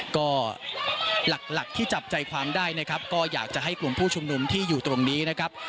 ก็หลักที่จับใจความได้นะครับก็อยากจะให้กลุ่มผู้ชุมนุมที่อยู่ตรงนี้นะครับ